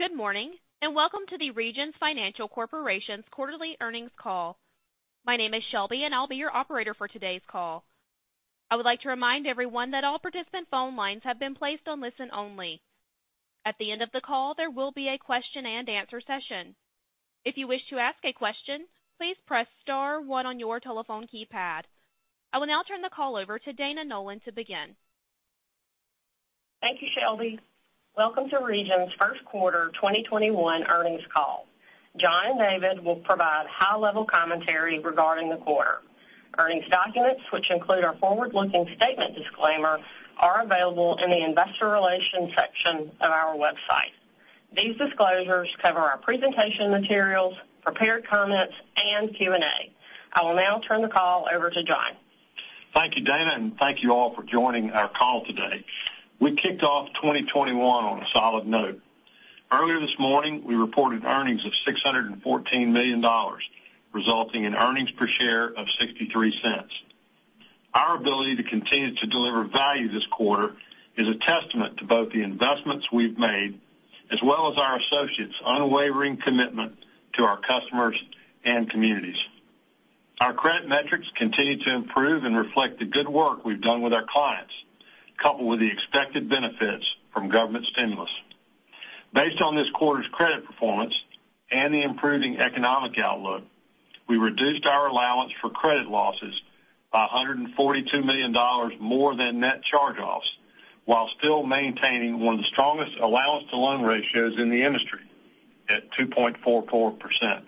Good morning, welcome to the Regions Financial Corporation's quarterly earnings call. My name is Shelby, and I'll be your operator for today's call. I would like to remind everyone that all participant phone lines have been placed on listen only. At the end of the call, there will be a question and answer session. If you wish to ask a question, please press star one on your telephone keypad. I will now turn the call over to Dana Nolan to begin. Thank you, Shelby. Welcome to Regions' first quarter 2021 earnings call. John will provide high-level commentary regarding the quarter. Earnings documents, which include our forward-looking statement disclaimer, are available in the investor relations section of our website. These disclosures cover our presentation materials, prepared comments, and Q&A. I will now turn the call over to John. Thank you, Dana, and thank you all for joining our call today. We kicked off 2021 on a solid note. Earlier this morning, we reported earnings of $614 million, resulting in earnings per share of $0.63. Our ability to continue to deliver value this quarter is a testament to both the investments we've made, as well as our associates' unwavering commitment to our customers and communities. Our credit metrics continue to improve and reflect the good work we've done with our clients, coupled with the expected benefits from government stimulus. Based on this quarter's credit performance and the improving economic outlook, we reduced our allowance for credit losses by $142 million more than net charge-offs, while still maintaining one of the strongest allowance to loan ratios in the industry, at 2.44%.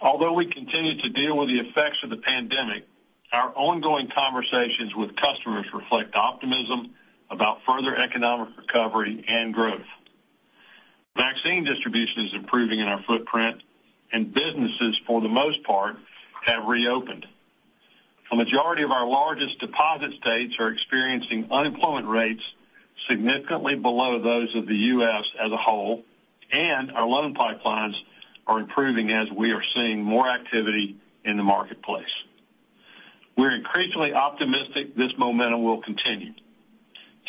Although we continue to deal with the effects of the pandemic, our ongoing conversations with customers reflect optimism about further economic recovery and growth. Vaccine distribution is improving in our footprint. Businesses, for the most part, have reopened. A majority of our largest deposit states are experiencing unemployment rates significantly below those of the U.S. as a whole. Our loan pipelines are improving as we are seeing more activity in the marketplace. We're increasingly optimistic this momentum will continue.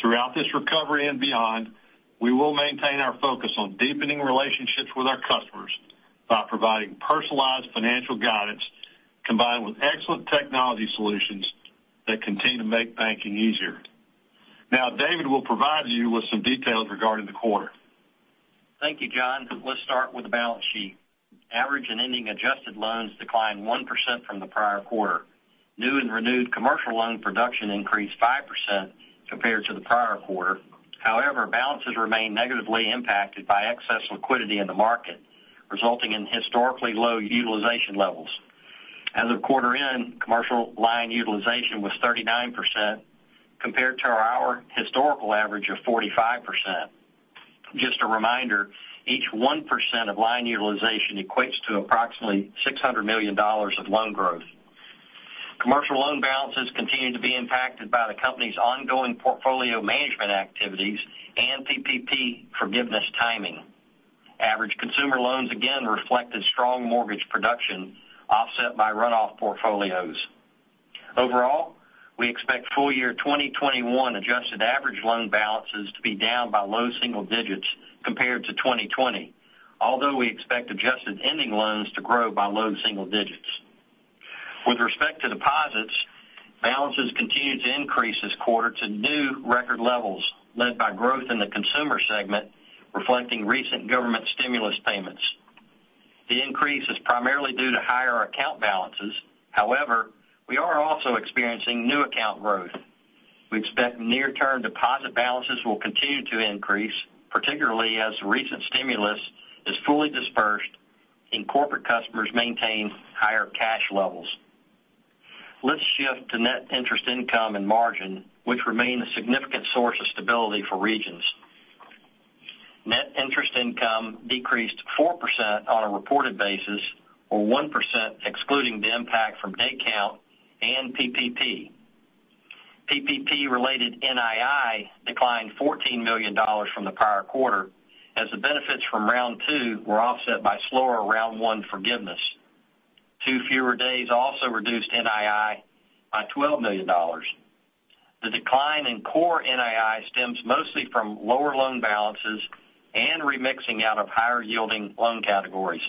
Throughout this recovery and beyond, we will maintain our focus on deepening relationships with our customers by providing personalized financial guidance, combined with excellent technology solutions that continue to make banking easier. Now, David will provide you with some details regarding the quarter. Thank you, John. Let's start with the balance sheet. Average and ending adjusted loans declined 1% from the prior quarter. New and renewed commercial loan production increased 5% compared to the prior quarter. However, balances remain negatively impacted by excess liquidity in the market, resulting in historically low utilization levels. As of quarter end, commercial line utilization was 39%, compared to our historical average of 45%. Just a reminder, each 1% of line utilization equates to approximately $600 million of loan growth. Commercial loan balances continue to be impacted by the company's ongoing portfolio management activities and PPP forgiveness timing. Average consumer loans again reflected strong mortgage production offset by runoff portfolios. Overall, we expect full year 2021 adjusted average loan balances to be down by low single digits compared to 2020, although we expect adjusted ending loans to grow by low single digits. With respect to deposits, balances continued to increase this quarter to new record levels led by growth in the consumer segment, reflecting recent government stimulus payments. The increase is primarily due to higher account balances. However, we are also experiencing new account growth. We expect near-term deposit balances will continue to increase, particularly as recent stimulus is fully dispersed and corporate customers maintain higher cash levels. Let's shift to net interest income and margin, which remain a significant source of stability for Regions. Net interest income decreased 4% on a reported basis, or 1% excluding the impact from day count and PPP. PPP related NII declined $14 million from the prior quarter, as the benefits from round two were offset by slower round one forgiveness. Two fewer days also reduced NII by $12 million. The decline in core NII stems mostly from lower loan balances and remixing out of higher yielding loan categories.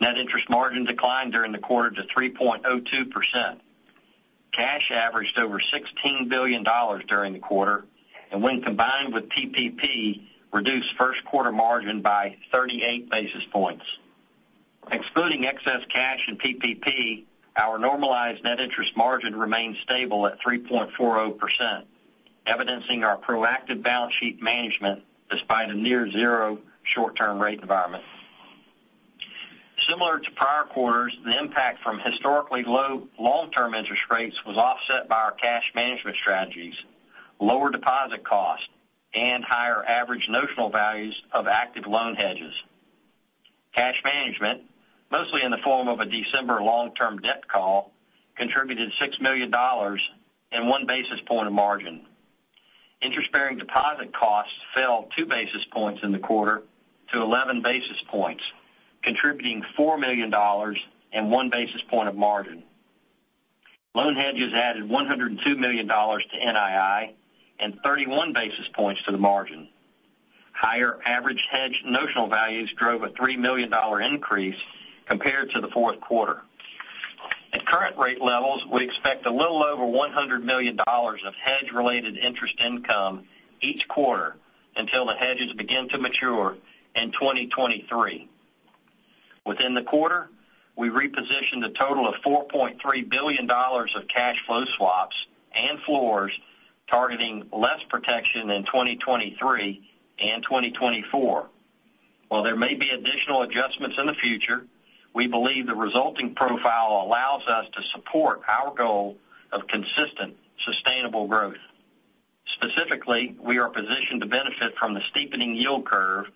Net interest margin declined during the quarter to 3.02%. Cash averaged over $16 billion during the quarter, and when combined with PPP, reduced first quarter margin by 38 basis points. Excluding excess cash in PPP, our normalized net interest margin remains stable at 3.40%, evidencing our proactive balance sheet management despite a near zero short-term rate environment. Similar to prior quarters, the impact from historically low long-term interest rates was offset by our cash management strategies, lower deposit costs, and higher average notional values of active loan hedges. Cash management, mostly in the form of a December long-term debt call, contributed $6 million and one basis point of margin. Interest-bearing deposit costs fell two basis points in the quarter to 11 basis points, contributing $4 million and one basis point of margin. Loan hedges added $102 million to NII and 31 basis points to the margin. Higher average hedge notional values drove a $3 million increase compared to the fourth quarter. At current rate levels, we expect a little over $100 million of hedge related interest income each quarter until the hedges begin to mature in 2023. Within the quarter, we repositioned a total of $4.3 billion of cash flow swaps and floors targeting less protection in 2023 and 2024. While there may be additional adjustments in the future, we believe the resulting profile allows us to support our goal of consistent, sustainable growth. Specifically, we are positioned to benefit from the steepening yield curve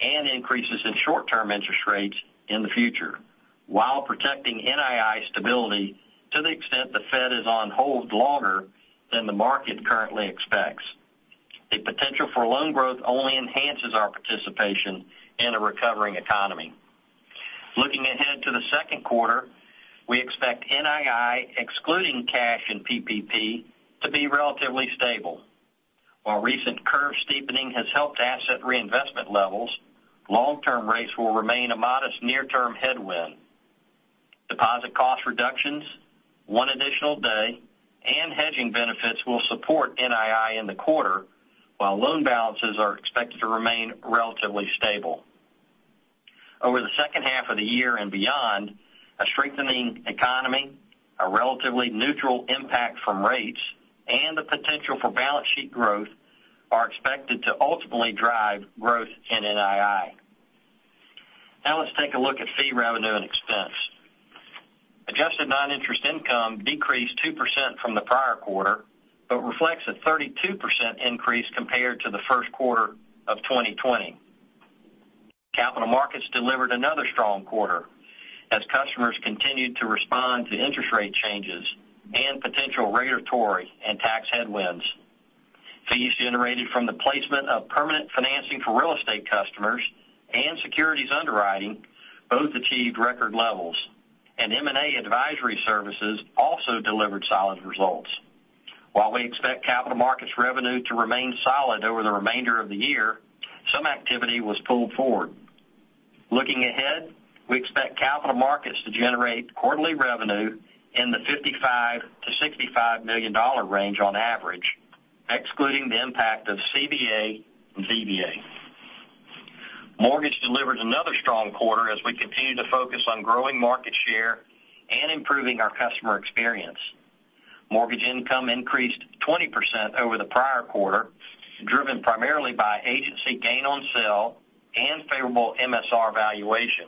and increases in short-term interest rates in the future while protecting NII stability to the extent the Fed is on hold longer than the market currently expects. The potential for loan growth only enhances our participation in a recovering economy. Looking ahead to the second quarter, we expect NII, excluding cash and PPP, to be relatively stable. While recent curve steepening has helped asset reinvestment levels, long-term rates will remain a modest near-term headwind. Deposit cost reductions, one additional day, and hedging benefits will support NII in the quarter, while loan balances are expected to remain relatively stable. Over the second half of the year and beyond, a strengthening economy, a relatively neutral impact from rates, and the potential for balance sheet growth are expected to ultimately drive growth in NII. Now let's take a look at fee revenue and expense. Adjusted non-interest income decreased 2% from the prior quarter, but reflects a 32% increase compared to the first quarter of 2020. Capital markets delivered another strong quarter as customers continued to respond to interest rate changes and potential regulatory and tax headwinds. Fees generated from the placement of permanent financing for real estate customers and securities underwriting both achieved record levels. M&A advisory services also delivered solid results. While we expect capital markets revenue to remain solid over the remainder of the year, some activity was pulled forward. Looking ahead, we expect capital markets to generate quarterly revenue in the $55 million-$65 million range on average, excluding the impact of CVA and DVA. Mortgage delivered another strong quarter as we continue to focus on growing market share and improving our customer experience. Mortgage income increased 20% over the prior quarter, driven primarily by agency gain on sale and favorable MSR valuation.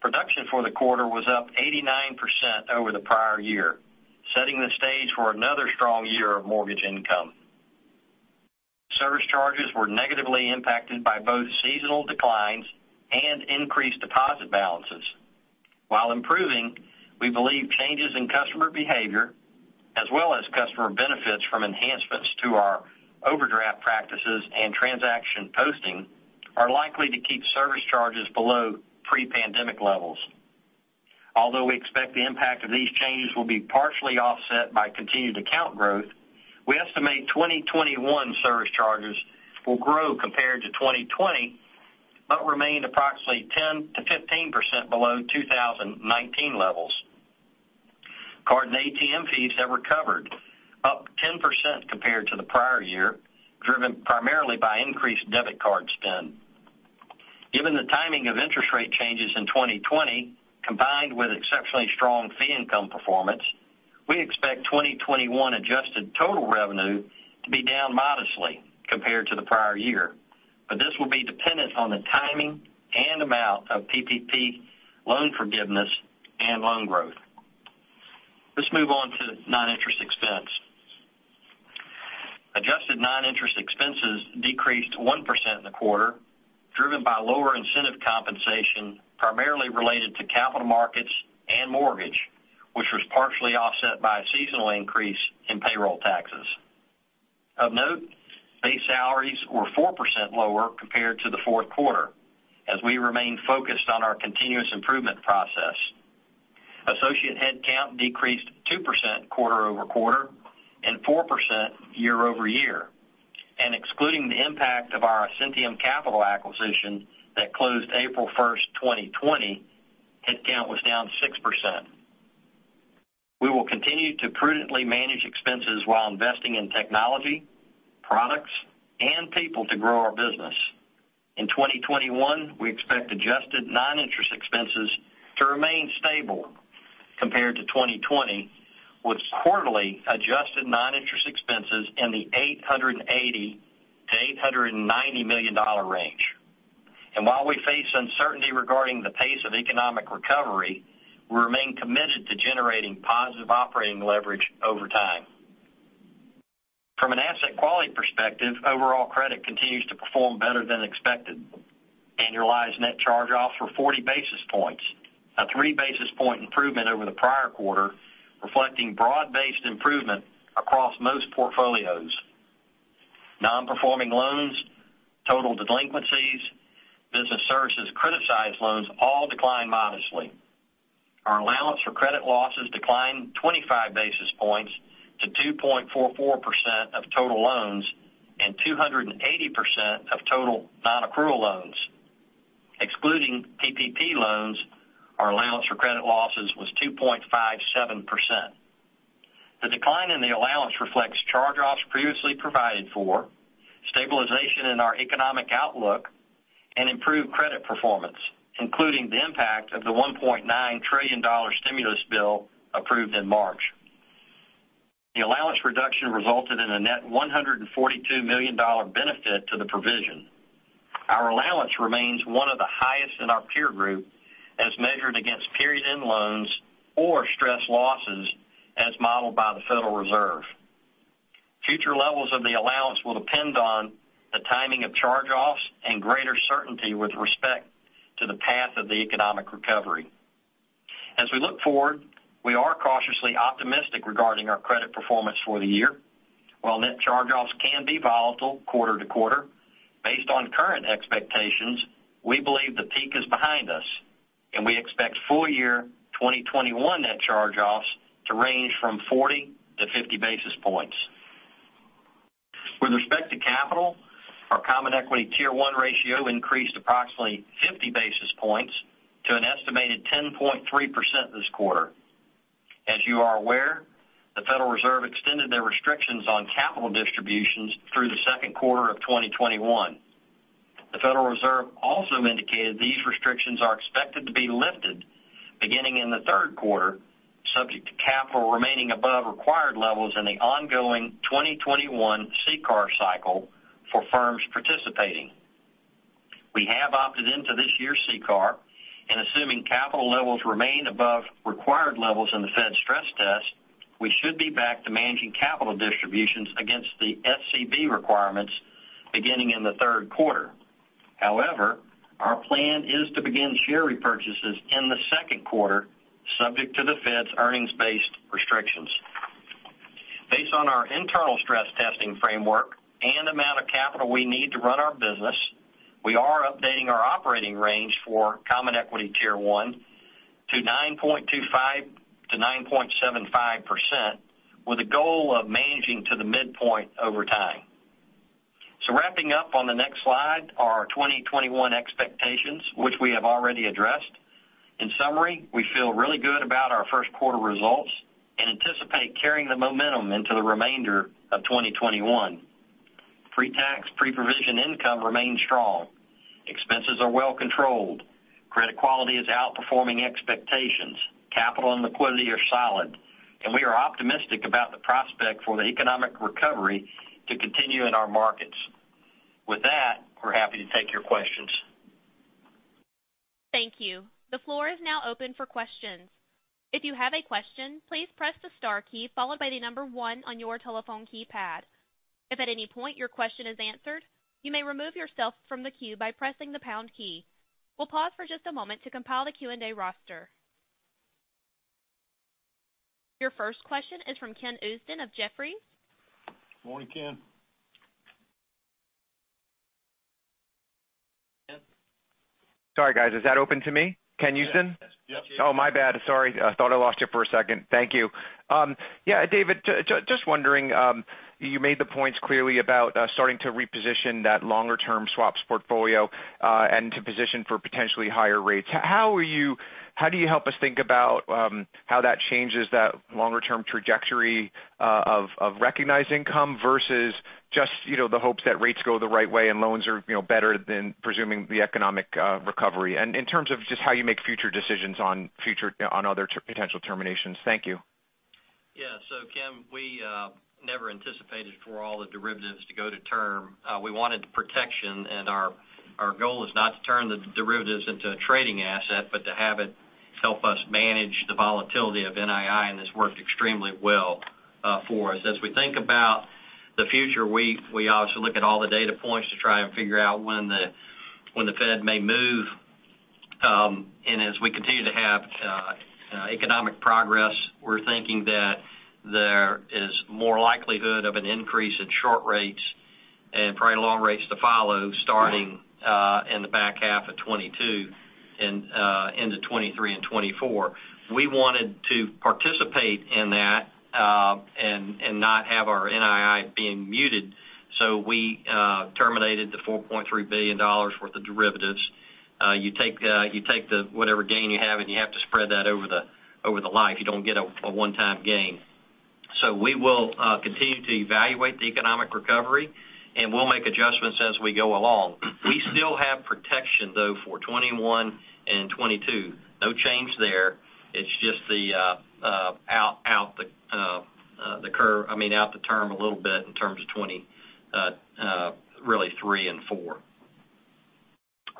Production for the quarter was up 89% over the prior year, setting the stage for another strong year of mortgage income. Service charges were negatively impacted by both seasonal declines and increased deposit balances. While improving, we believe changes in customer behavior, as well as customer benefits from enhancements to our overdraft practices and transaction posting, are likely to keep service charges below pre-pandemic levels. Although we expect the impact of these changes will be partially offset by continued account growth, we estimate 2021 service charges will grow compared to 2020, but remain approximately 10%-15% below 2019 levels. Card and ATM fees have recovered, up 10% compared to the prior year, driven primarily by increased debit card spend. Given the timing of interest rate changes in 2020, combined with exceptionally strong fee income performance, we expect 2021 adjusted total revenue to be down modestly compared to the prior year, but this will be dependent on the timing and amount of PPP loan forgiveness and loan growth. Let's move on to non-interest expense. Adjusted non-interest expenses decreased 1% in the quarter, driven by lower incentive compensation primarily related to capital markets and mortgage, which was partially offset by a seasonal increase in payroll taxes. Of note, base salaries were 4% lower compared to the fourth quarter as we remain focused on our continuous improvement process. Associate headcount decreased 2% quarter-over-quarter and 4% year-over-year. Excluding the impact of our Ascentium Capital acquisition that closed April 1st, 2020, headcount was down 6%. We will continue to prudently manage expenses while investing in technology, products, and people to grow our business. In 2021, we expect adjusted non-interest expenses to remain stable compared to 2020, with quarterly adjusted non-interest expenses in the $880 million-$890 million range. While we face uncertainty regarding the pace of economic recovery, we remain committed to generating positive operating leverage over time. From an asset quality perspective, overall credit continues to perform better than expected. Annualized net charge-offs were 40 basis points, a three basis point improvement over the prior quarter, reflecting broad-based improvement across most portfolios. Non-performing loans, total delinquencies, loans all declined modestly. Our allowance for credit losses declined 25 basis points to 2.44% of total loans and 280% of total non-accrual loans. Excluding PPP loans, our allowance for credit losses was 2.57%. The decline in the allowance reflects charge-offs previously provided for, stabilization in our economic outlook, and improved credit performance, including the impact of the $1.9 trillion stimulus bill approved in March. The allowance reduction resulted in a net $142 million benefit to the provision. Our allowance remains one of the highest in our peer group, as measured against period-end loans or stress losses as modeled by the Federal Reserve. Future levels of the allowance will depend on the timing of charge-offs and greater certainty with respect to the path of the economic recovery. As we look forward, we are cautiously optimistic regarding our credit performance for the year. While net charge-offs can be volatile quarter-to-quarter, based on current expectations, we believe the peak is behind us, and we expect full year 2021 net charge-offs to range from 40 basis points-50 basis points. With respect to capital, our Common Equity Tier 1 ratio increased approximately 50 basis points to an estimated 10.3% this quarter. As you are aware, the Federal Reserve extended their restrictions on capital distributions through the second quarter of 2021. The Federal Reserve also indicated these restrictions are expected to be lifted beginning in the third quarter, subject to capital remaining above required levels in the ongoing 2021 CCAR cycle for firms participating. We have opted into this year's CCAR, and assuming capital levels remain above required levels in the Fed stress test, we should be back to managing capital distributions against the SCB requirements beginning in the third quarter. However, our plan is to begin share repurchases in the second quarter, subject to the Fed's earnings-based restrictions. Based on our internal stress testing framework and amount of capital we need to run our business, we are updating our operating range for Common Equity Tier 1 to 9.25%-9.75%, with a goal of managing to the midpoint over time. Wrapping up on the next slide are our 2021 expectations, which we have already addressed. In summary, we feel really good about our first quarter results and anticipate carrying the momentum into the remainder of 2021. Pre-tax pre-provision income remains strong. Expenses are well controlled. Credit quality is outperforming expectations. Capital and liquidity are solid. We are optimistic about the prospect for the economic recovery to continue in our markets. With that, we're happy to take your questions. Thank you. The floor is now open for questions. If you have a question, please press the star key followed by the number one on your telephone keypad. If at any point your question is answered, you may remove yourself from the queue by pressing the pound key. We will pause for just a moment to compile the Q&A roster. Your first question is from Ken Usdin of Jefferies. Morning, Ken. Ken? Sorry, guys. Is that open to me? Ken Usdin. Yes. Oh, my bad. Sorry. I thought I lost you for a second. Thank you. Yeah, David, just wondering, you made the points clearly about starting to reposition that longer-term swaps portfolio and to position for potentially higher rates. How do you help us think about how that changes that longer-term trajectory of recognized income versus just the hopes that rates go the right way and loans are better than presuming the economic recovery? In terms of just how you make future decisions on other potential terminations. Thank you. Yeah. Ken, we never anticipated for all the derivatives to go to term. We wanted protection, and our goal is not to turn the derivatives into a trading asset, but to have it help us manage the volatility of NII, and it's worked extremely well for us. As we think about the future, we obviously look at all the data points to try and figure out when the Fed may move. As we continue to have economic progress, we're thinking that there is more likelihood of an increase in short rates and probably long rates to follow starting in the back half of 2022 into 2023 and 2024. We wanted to participate in that and not have our NII being muted, so we terminated the $4.3 billion worth of derivatives. You take whatever gain you have, and you have to spread that over the life. You don't get a one-time gain. We will continue to evaluate the economic recovery, and we'll make adjustments as we go along. We still have protection, though, for 2021 and 2022. No change there. It's just the out the term a little bit in terms of 2023 and 2024.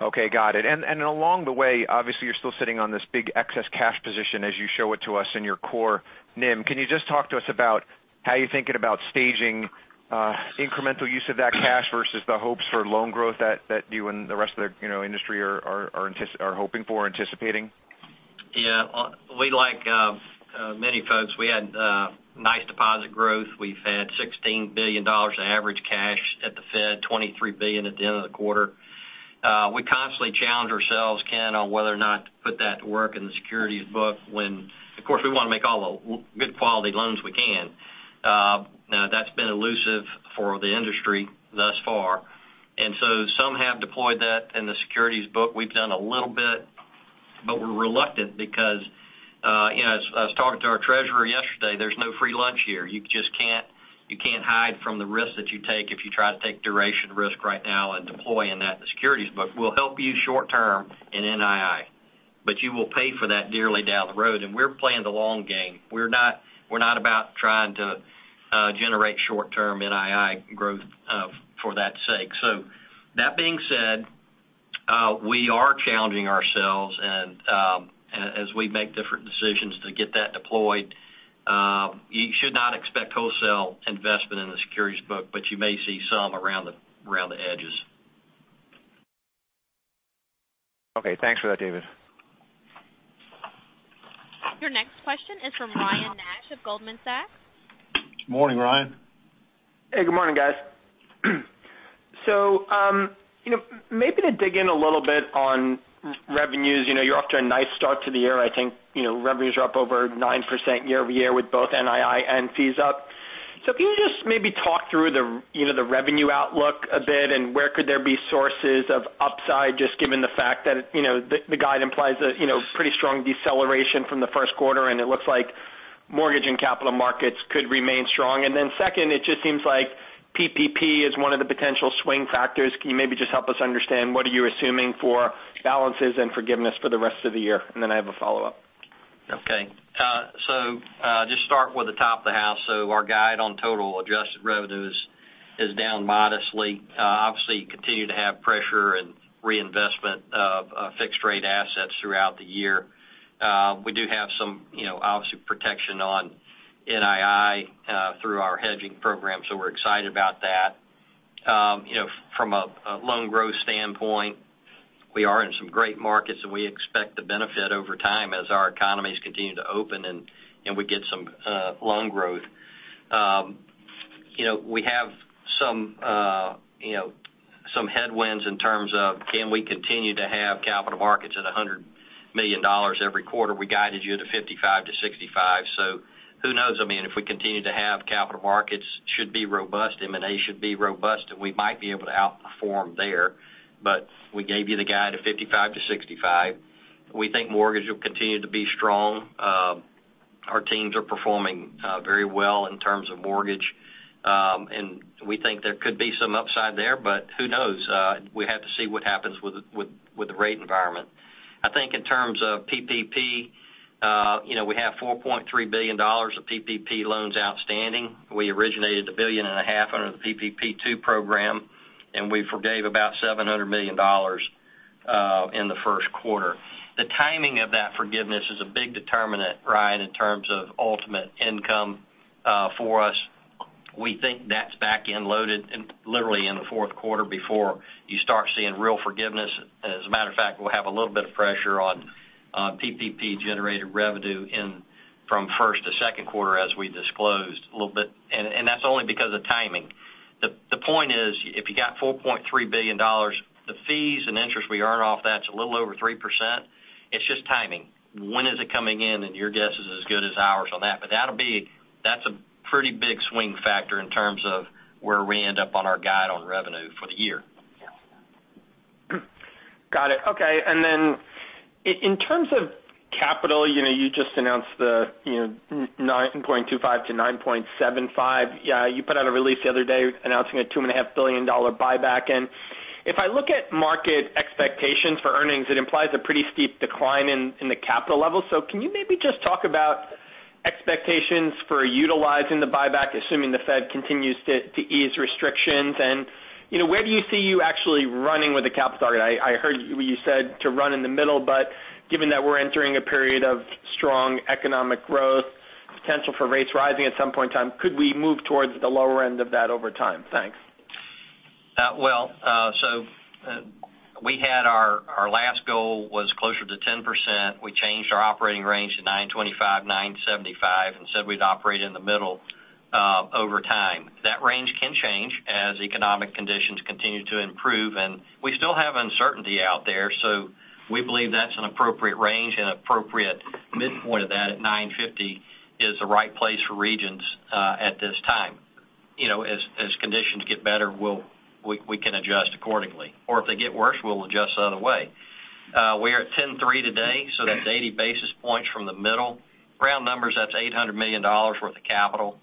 Okay. Got it. Along the way, obviously, you're still sitting on this big excess cash position as you show it to us in your core NIM. Can you just talk to us about how you're thinking about staging incremental use of that cash versus the hopes for loan growth that you and the rest of the industry are hoping for or anticipating? Yeah. Like many folks, we had nice deposit growth. We've had $16 billion of average cash at the Fed, $23 billion at the end of the quarter. We constantly challenge ourselves, Ken, on whether or not to put that to work in the securities book when, of course, we want to make all the good quality loans we can. Now, that's been elusive for the industry thus far. Some have deployed that in the securities book. We've done a little bit, but we're reluctant because, as I was talking to our treasurer yesterday, there's no free lunch here. You just can't hide from the risk that you take if you try to take duration risk right now and deploy in that, the securities book. We'll help you short term in NII, but you will pay for that dearly down the road, and we're playing the long game. We're not about trying to generate short-term NII growth for that sake. That being said, we are challenging ourselves, and as we make different decisions to get that deployed, you should not expect wholesale investment in the securities book, but you may see some around the edges. Okay. Thanks for that, David. Your next question is from Ryan Nash of Goldman Sachs. Morning, Ryan. Hey, good morning, guys. Maybe to dig in a little bit on revenues. You're off to a nice start to the year. I think revenues are up over 9% year-over-year with both NII and fees up. Can you just maybe talk through the revenue outlook a bit and where could there be sources of upside, just given the fact that the guide implies a pretty strong deceleration from the first quarter, and it looks like mortgage and capital markets could remain strong. Second, it just seems like PPP is one of the potential swing factors. Can you maybe just help us understand what are you assuming for balances and forgiveness for the rest of the year? I have a follow-up. Okay. Just start with the top of the house. Our guide on total adjusted revenues is down modestly. Obviously, you continue to have pressure and reinvestment of fixed rate assets throughout the year. We do have some obvious protection on NII through our hedging program, so we're excited about that. From a loan growth standpoint, we are in some great markets, and we expect to benefit over time as our economies continue to open and we get some loan growth. We have some headwinds in terms of can we continue to have capital markets at $100 million every quarter. We guided you to 55 to 65, so who knows? If we continue to have capital markets, should be robust, M&A should be robust, and we might be able to outperform there. We gave you the guide of 55 to 65. We think mortgage will continue to be strong. Our teams are performing very well in terms of mortgage. We think there could be some upside there, but who knows? We have to see what happens with the rate environment. I think in terms of PPP, we have $4.3 billion of PPP loans outstanding. We originated a billion and a half under the PPP2 program, and we forgave about $700 million in the first quarter. The timing of that forgiveness is a big determinant, Ryan, in terms of ultimate income for us. We think that's back-end loaded literally in the fourth quarter before you start seeing real forgiveness. As a matter of fact, we'll have a little bit of pressure on PPP-generated revenue from first to second quarter as we disclosed a little bit, and that's only because of timing. The point is, if you got $4.3 billion, the fees and interest we earn off, that's a little over 3%. It's just timing. When is it coming in? Your guess is as good as ours on that. That's a pretty big swing factor in terms of where we end up on our guide on revenue for the year. Got it. Okay. In terms of capital, you just announced the 9.25%-9.75%. You put out a release the other day announcing a $2.5 billion buyback. If I look at market expectations for earnings, it implies a pretty steep decline in the capital level. Can you maybe just talk about expectations for utilizing the buyback, assuming the Fed continues to ease restrictions? Where do you see you actually running with the capital target? I heard you said to run in the middle, given that we're entering a period of strong economic growth, potential for rates rising at some point in time, could we move towards the lower end of that over time? Thanks. Well, our last goal was closer to 10%. We changed our operating range to 925, 975, and said we'd operate in the middle over time. That range can change as economic conditions continue to improve, and we still have uncertainty out there. We believe that's an appropriate range and appropriate midpoint of that at 950 is the right place for Regions at this time. As conditions get better, we can adjust accordingly. If they get worse, we'll adjust the other way. We are at 10.3 today, that's 80 basis points from the middle. Round numbers, that's $800 million worth of capital.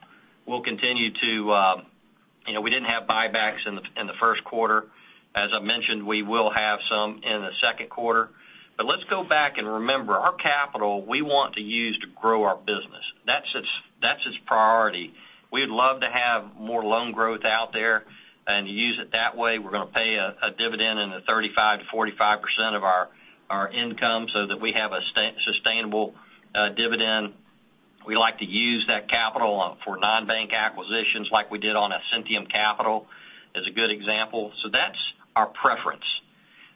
We didn't have buybacks in the first quarter. As I mentioned, we will have some in the second quarter. Let's go back and remember, our capital, we want to use to grow our business. That's its priority. We'd love to have more loan growth out there and use it that way. We're going to pay a dividend in the 35%-45% of our income so that we have a sustainable dividend. We like to use that capital for non-bank acquisitions like we did on Ascentium Capital, as a good example. That's our preference.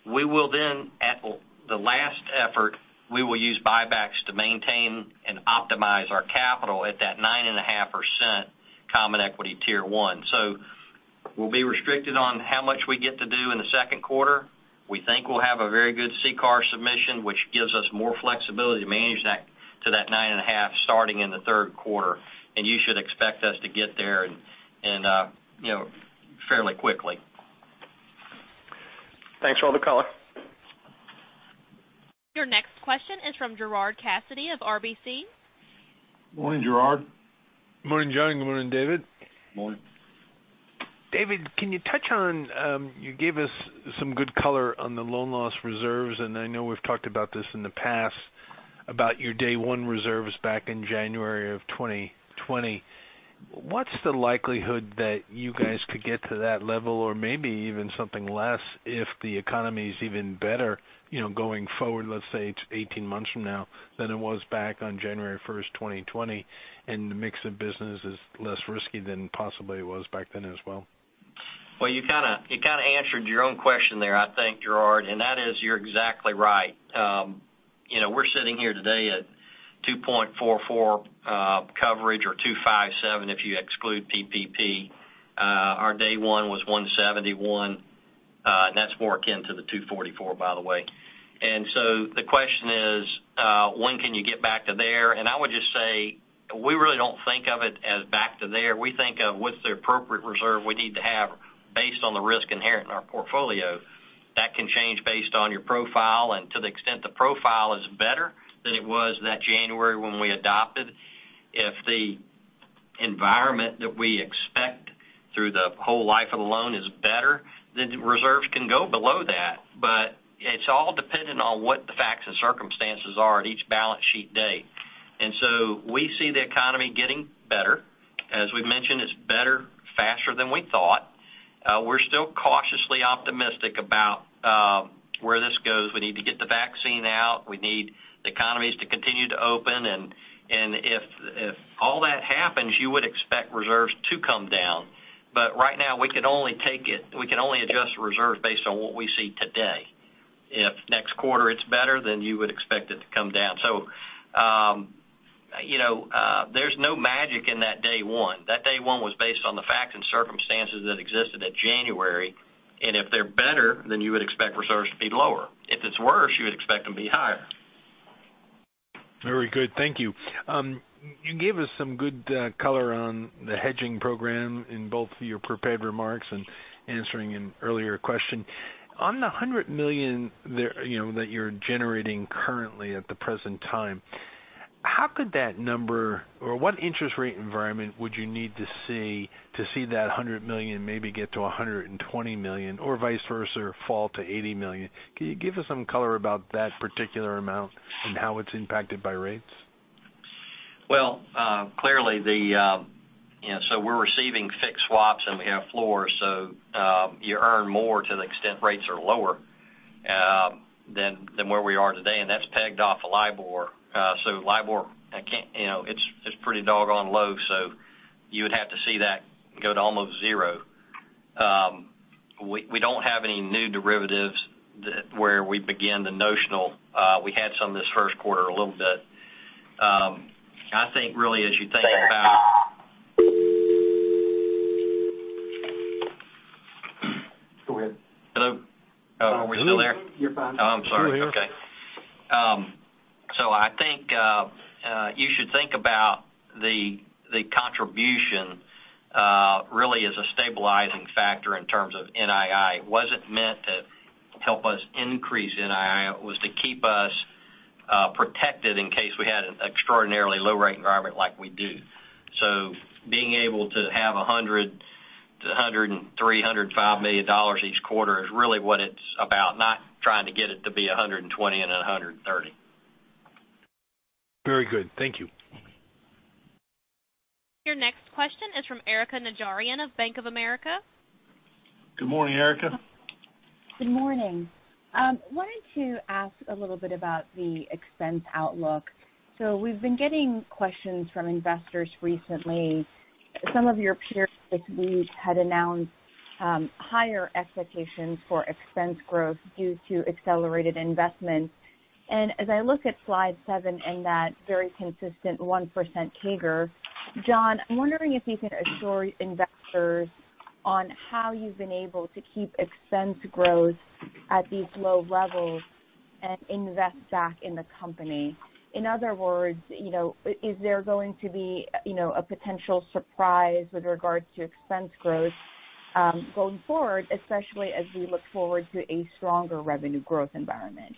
We will then, at the last effort, we will use buybacks to maintain and optimize our capital at that 9.5% Common Equity Tier 1. We'll be restricted on how much we get to do in the second quarter. We think we'll have a very good CCAR submission, which gives us more flexibility to manage that to that 9.5% starting in the third quarter. You should expect us to get there fairly quickly. Thanks for all the color. Your next question is from Gerard Cassidy of RBC. Morning, Gerard. Morning, John. Good morning, David. Morning. David, can you touch on, you gave us some good color on the loan loss reserves, and I know we've talked about this in the past about your day one reserves back in January of 2020. What's the likelihood that you guys could get to that level or maybe even something less if the economy's even better going forward, let's say, 18 months from now than it was back on January 1st, 2020, and the mix of business is less risky than possibly it was back then as well? Well, you kind of answered your own question there, I think, Gerard, and that is, you're exactly right. We're sitting here today at 2.44 coverage or 2.57 if you exclude PPP. Our day one was 171, and that's more akin to the 244, by the way. The question is, when can you get back to there? I would just say, we really don't think of it as back to there. We think of what's the appropriate reserve we need to have based on the risk inherent in our portfolio. That can change based on your profile and to the extent the profile is better than it was that January when we adopted. If the environment that we expect through the whole life of the loan is better, reserves can go below that. It's all dependent on what the facts and circumstances are at each balance sheet date. We see the economy getting better. As we've mentioned, it's better, faster than we thought. We're still cautiously optimistic about where this goes. We need to get the vaccine out. We need the economies to continue to open, and if all that happens, you would expect reserves to come down. Right now, we can only adjust reserves based on what we see today. If next quarter it's better, then you would expect it to come down. There's no magic in that day one. That day one was based on the facts and circumstances that existed that January, and if they're better, then you would expect reserves to be lower. If it's worse, you would expect them to be higher. Very good. Thank you. You gave us some good color on the hedging program in both your prepared remarks and answering an earlier question. On the $100 million that you're generating currently at the present time, how could that number—or what interest rate environment would you need to see to see that $100 million maybe get to $120 million or vice versa, fall to $80 million? Can you give us some color about that particular amount and how it's impacted by rates? Well, clearly we're receiving fixed swaps, and we have floors. You earn more to the extent rates are lower than where we are today, and that's pegged off of LIBOR. LIBOR, it's pretty doggone low, so you would have to see that go to almost zero. We don't have any new derivatives where we begin the notional. We had some this first quarter, a little bit. Go ahead. Hello? Oh, are we still there? You're fine. Oh, I'm sorry. Still here. I think you should think about the contribution really as a stabilizing factor in terms of NII. It wasn't meant to help us increase NII. It was to keep us protected in case we had an extraordinarily low rate environment like we do. Being able to have $100 million-$103 million, $105 million each quarter is really what it's about, not trying to get it to be $120 million and $130 million. Very good. Thank you. Your next question is from Erika Najarian of Bank of America. Good morning, Erika. Good morning. Wanted to ask a little bit about the expense outlook. We've been getting questions from investors recently. Some of your peers this week had announced higher expectations for expense growth due to accelerated investments. As I look at slide seven and that very consistent 1% CAGR, John, I'm wondering if you can assure investors on how you've been able to keep expense growth at these low levels and invest back in the company. In other words, is there going to be a potential surprise with regards to expense growth going forward, especially as we look forward to a stronger revenue growth environment?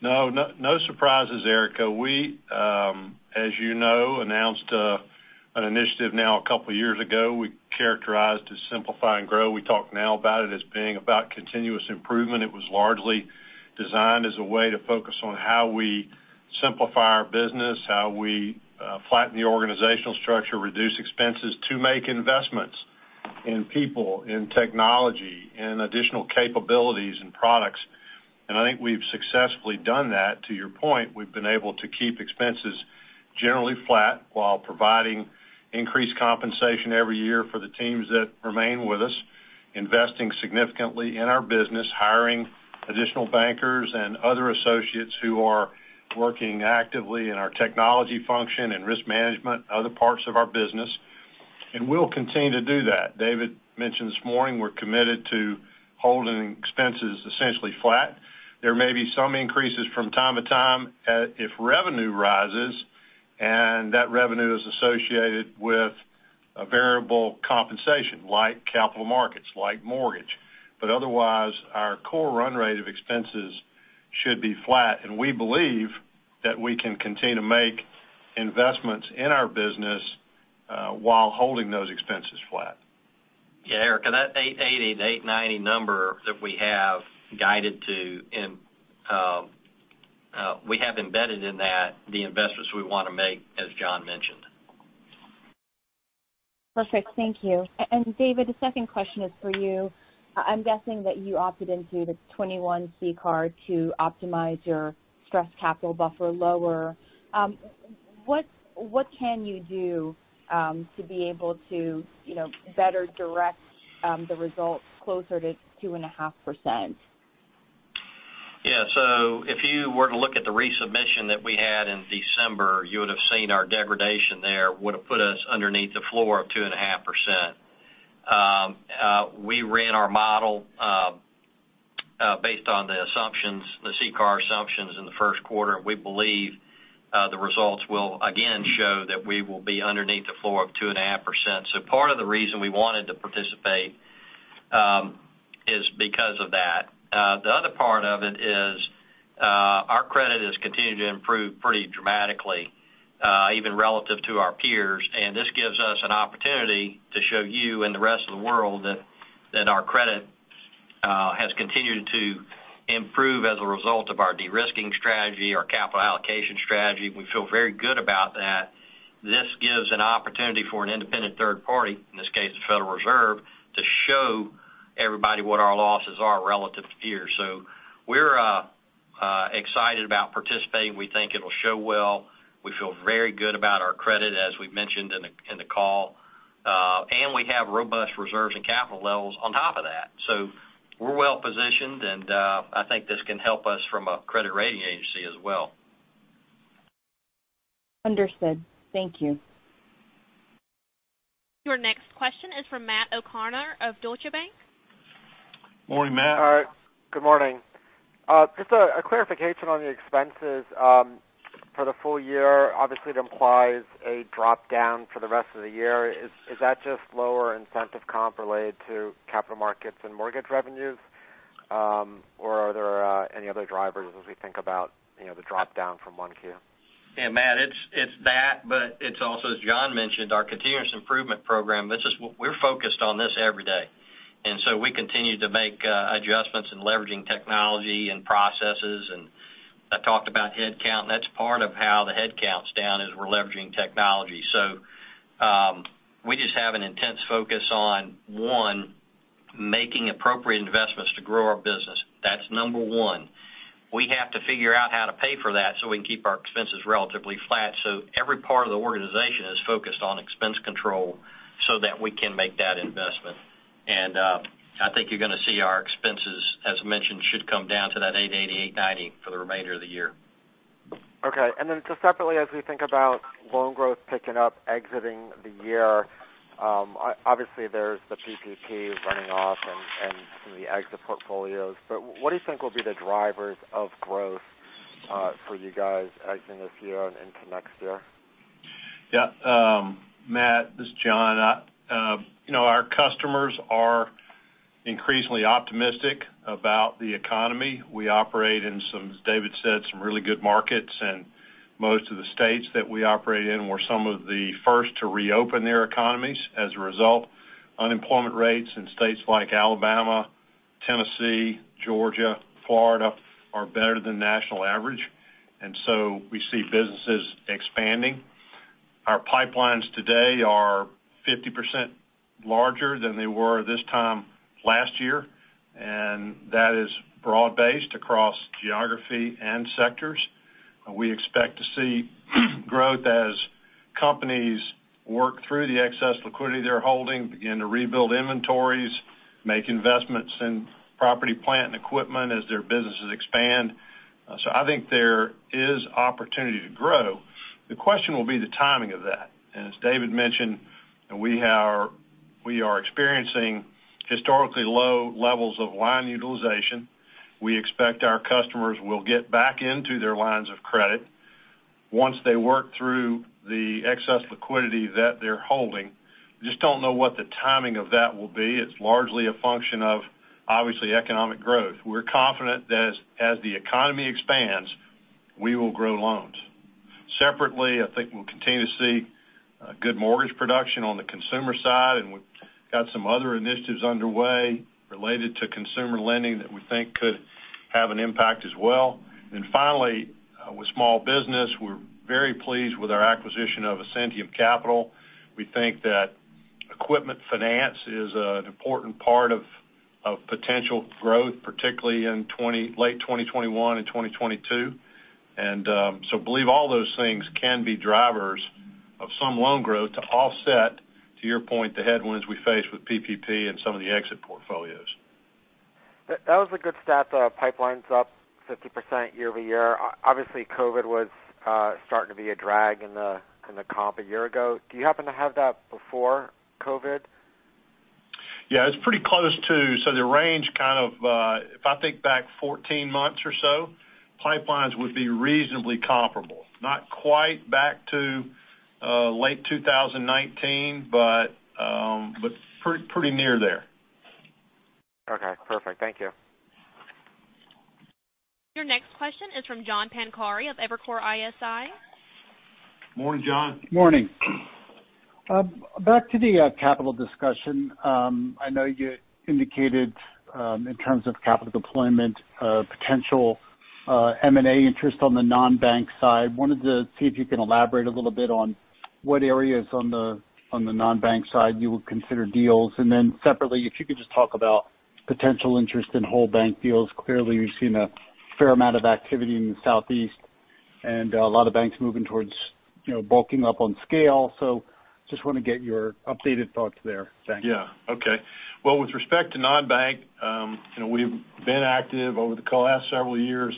No surprises, Erika. We, as you know, announced an initiative now a couple of years ago, we characterized as Simplify and Grow. We talk now about it as being about continuous improvement. It was largely designed as a way to focus on how we simplify our business, how we flatten the organizational structure, reduce expenses to make investments in people, in technology, in additional capabilities and products. I think we've successfully done that. To your point, we've been able to keep expenses generally flat while providing increased compensation every year for the teams that remain with us, investing significantly in our business, hiring additional bankers and other associates who are working actively in our technology function and risk management, other parts of our business, and we'll continue to do that. David mentioned this morning, we're committed to holding expenses essentially flat. There may be some increases from time to time, if revenue rises and that revenue is associated with a variable compensation, like capital markets, like mortgage. Otherwise, our core run rate of expenses should be flat, and we believe that we can continue to make investments in our business while holding those expenses flat. Yeah, Erika, that $880 million-$890 million number that we have guided to, we have embedded in that the investments we want to make, as John mentioned. Perfect. Thank you. David, the second question is for you. I'm guessing that you opted into the 2021 CCAR to optimize your stress capital buffer lower. What can you do to be able to better direct the results closer to 2.5%? Yeah. If you were to look at the resubmission that we had in December, you would have seen our degradation there would have put us underneath the floor of 2.5%. We ran our model based on the CCAR assumptions in the first quarter, and we believe the results will again show that we will be underneath the floor of 2.5%. Part of the reason we wanted to participate is because of that. The other part of it is, our credit has continued to improve pretty dramatically, even relative to our peers, and this gives us an opportunity to show you and the rest of the world that our credit has continued to improve as a result of our de-risking strategy, our capital allocation strategy. We feel very good about that. This gives an opportunity for an independent third party, in this case, the Federal Reserve, to show everybody what our losses are relative to peers. We're excited about participating. We think it'll show well. We feel very good about our credit, as we've mentioned in the call. We have robust reserves and capital levels on top of that. We're well-positioned, and I think this can help us from a credit rating agency as well. Understood. Thank you. Your next question is from Matt O'Connor of Deutsche Bank. Morning, Matt. All right. Good morning. Just a clarification on the expenses for the full year. Obviously, it implies a drop-down for the rest of the year. Is that just lower incentive comp related to capital markets and mortgage revenues? Are there any other drivers as we think about the drop-down from 1Q? Yeah, Matt, it's that, but it's also, as John mentioned, our continuous improvement program. We're focused on this every day, we continue to make adjustments in leveraging technology and processes. I talked about headcount, and that's part of how the headcount's down, is we're leveraging technology. We just have an intense focus on, one, making appropriate investments to grow our business. That's number one. We have to figure out how to pay for that so we can keep our expenses relatively flat. Every part of the organization is focused on expense control so that we can make that investment. I think you're going to see our expenses, as mentioned, should come down to that $880 million, $890 million for the remainder of the year. Okay. Just separately, as we think about loan growth picking up exiting the year, obviously there's the PPP running off and some of the exit portfolios. What do you think will be the drivers of growth for you guys exiting this year and into next year? Yeah. Matt, this is John. Our customers are increasingly optimistic about the economy. We operate in, as David said, some really good markets. Most of the states that we operate in were some of the first to reopen their economies. As a result, unemployment rates in states like Alabama, Tennessee, Georgia, Florida are better than national average. We see businesses expanding. Our pipelines today are 50% larger than they were this time last year. That is broad-based across geography and sectors. We expect to see growth as companies work through the excess liquidity they're holding, begin to rebuild inventories, make investments in property, plant, and equipment as their businesses expand. I think there is opportunity to grow. The question will be the timing of that. As David mentioned, we are experiencing historically low levels of line utilization. We expect our customers will get back into their lines of credit once they work through the excess liquidity that they're holding. Just don't know what the timing of that will be. It's largely a function of, obviously, economic growth. We're confident that as the economy expands, we will grow loans. Separately, I think we'll continue to see good mortgage production on the consumer side, and we've got some other initiatives underway related to consumer lending that we think could have an impact as well. Then finally, with small business, we're very pleased with our acquisition of Ascentium Capital. We think equipment finance is an important part of potential growth, particularly in late 2021 and 2022. Believe all those things can be drivers of some loan growth to offset, to your point, the headwinds we face with PPP and some of the exit portfolios. That was a good stat. The pipeline's up 50% year-over-year. Obviously, COVID was starting to be a drag in the comp a year ago. Do you happen to have that before COVID? Yeah, the range, if I think back 14 months or so, pipelines would be reasonably comparable. Not quite back to late 2019, but pretty near there. Okay, perfect. Thank you. Your next question is from John Pancari of Evercore ISI. Morning, John. Morning. Back to the capital discussion. I know you indicated, in terms of capital deployment, potential M&A interest on the non-bank side. Wanted to see if you can elaborate a little bit on what areas on the non-bank side you would consider deals. Separately, if you could just talk about potential interest in whole bank deals. Clearly, we've seen a fair amount of activity in the Southeast and a lot of banks moving towards bulking up on scale. Just want to get your updated thoughts there. Thanks. Yeah. Okay. Well, with respect to non-bank, we've been active over the last several years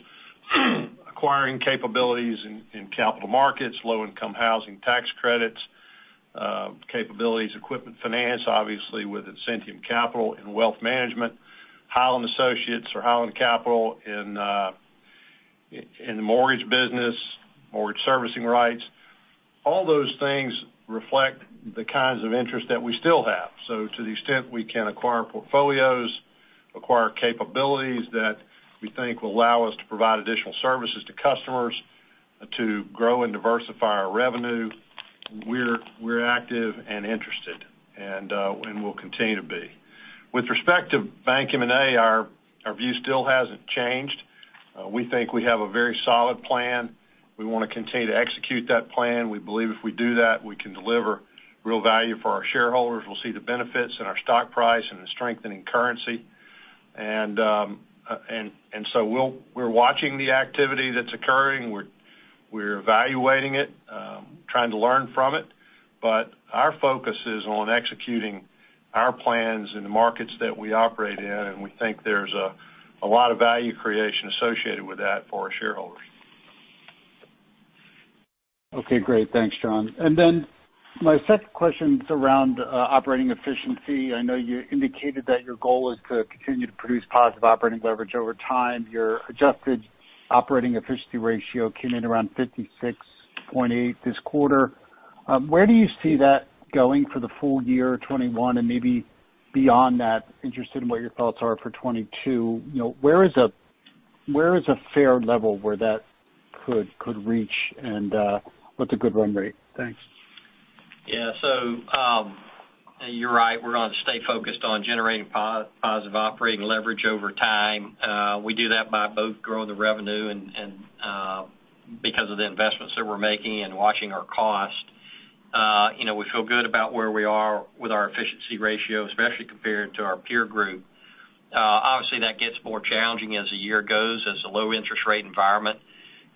acquiring capabilities in capital markets, Low-Income Housing Tax Credit capabilities, equipment finance, obviously, with Ascentium Capital in wealth management, Highland Associates or Highland Capital in the mortgage business, mortgage servicing rights. All those things reflect the kinds of interest that we still have. To the extent we can acquire portfolios, acquire capabilities that we think will allow us to provide additional services to customers to grow and diversify our revenue, we're active and interested, and we'll continue to be. With respect to bank M&A, our view still hasn't changed. We think we have a very solid plan. We want to continue to execute that plan. We believe if we do that, we can deliver real value for our shareholders. We'll see the benefits in our stock price and the strengthening currency. We're watching the activity that's occurring. We're evaluating it, trying to learn from it. Our focus is on executing our plans in the markets that we operate in, and we think there's a lot of value creation associated with that for our shareholders. Okay, great. Thanks, John. My second question is around operating efficiency. I know you indicated that your goal is to continue to produce positive operating leverage over time. Your adjusted operating efficiency ratio came in around 56.8% this quarter. Where do you see that going for the full year 2021 and maybe beyond that? Interested in what your thoughts are for 2022. Where is a fair level where that could reach and what's a good run rate? Thanks. Yeah. You're right. We're going to stay focused on generating positive operating leverage over time. We do that by both growing the revenue and because of the investments that we're making and watching our cost. We feel good about where we are with our efficiency ratio, especially compared to our peer group. Obviously, that gets more challenging as the year goes, as the low interest rate environment